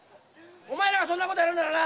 お前らがそんな事やるならな。